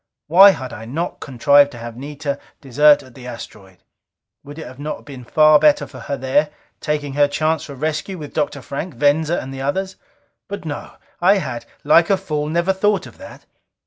Why had I not contrived to have Anita desert at the asteroid? Would it not have been far better for her there, taking her chance for rescue with Dr. Frank, Venza and the others? But no! I had, like a fool, never thought of that!